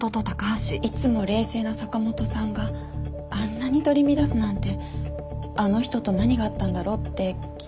いつも冷静な坂本さんがあんなに取り乱すなんてあの人と何があったんだろうって気になって。